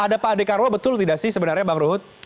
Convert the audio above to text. ada pak adekarwo betul tidak sih sebenarnya bang ruhut